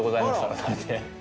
改めて。